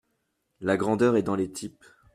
La grandeur est dans les types.